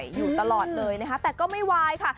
อยู่ตลอดเลยนะคะแต่ก็ไม่วายค่ะ